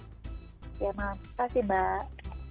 terima kasih mbak